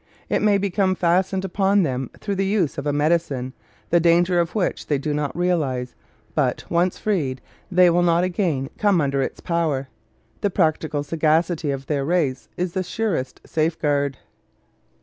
It may become fastened upon them through the use of a medicine the danger of which they do not realize, but, once freed, they will not again come under its power. The practical sagacity of their race is their surest safeguard.